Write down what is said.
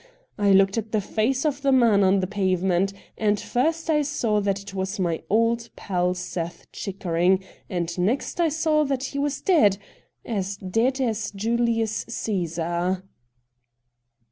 I looked at the face of the man on the pave ment, and first I saw that it was my old pal Seth Chickering, and next I saw that he was dead — as dead as Julius Cgesar